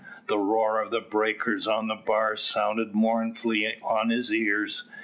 The roar of the breakers on the bar sounded mournfully on his ears.